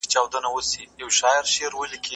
موږ به پس انداز په تولیدي کارونو کي لګوو.